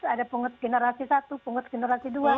ada pungut generasi satu pungut generasi dua